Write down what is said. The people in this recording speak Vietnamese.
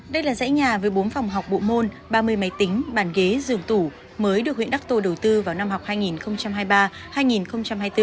đây là dãy nhà với bốn phòng học bộ môn ba mươi máy tính bàn ghế giường tủ mới được huyện đắc tô đầu tư vào năm học hai nghìn hai mươi ba hai nghìn hai mươi bốn